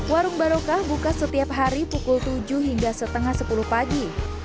warung barokah buka setiap hari pukul tujuh hingga setengah sepuluh pagi